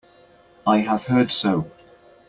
I have heard so.